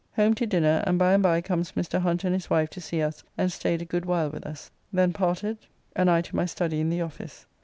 Home to dinner, and by and by comes Mr. Hunt and his wife to see us and staid a good, while with us. Then parted, and I to my study in the office.